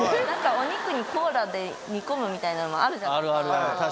お肉にコーラで煮込むみたいなのもあるじゃないですか。